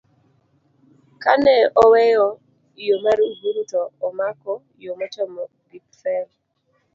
kane oweyo yo mar Uhuru to omako yo mochomo Gipfel,